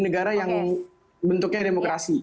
negara yang bentuknya demokrasi